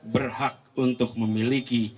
berhak untuk memiliki